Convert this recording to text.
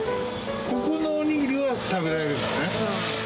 ここのおにぎりは食べられるうん。